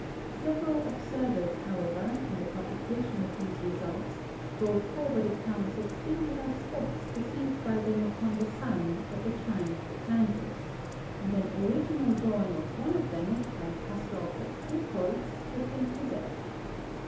Several observers, however, on the publication of these results, brought forward accounts of singular spots perceived by them upon the sun at the time of the transit, and an original drawing of one of them, by Pastorff of Buchholtz, has been preserved.